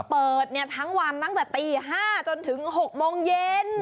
เปิดทั้งวันตั้งแต่ตี๕จนถึง๖โมงเย็น